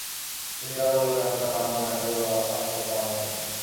তিনি যা বলবেন আমি তা মানব না এতবড়ো আস্পর্ধা আমার নেই।